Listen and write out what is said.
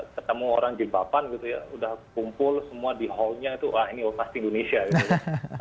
ketemu orang jilbapan gitu ya sudah kumpul semua di hall nya itu wah ini wafat indonesia gitu